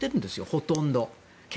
ほとんど。